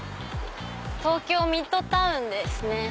東京ミッドタウンですね。